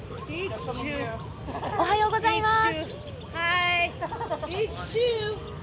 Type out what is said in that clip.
おはようございます。